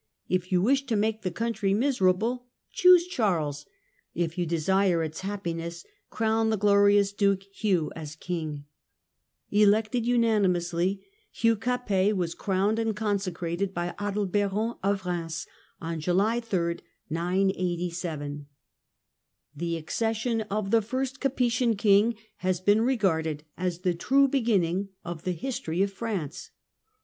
... If you wish to make the country miserable, choose Charles. If you desire its happiness, crown the glorious duke Hugh as king." Elected unanimously, Hugh Capet was crowned Election of and consecrated by Adalberon of Eheims on July 3, 987. q^J^^JJ ^^ The accession of the first Capetian king has been regarded ^"^^^^ as the true beginning of the history of France.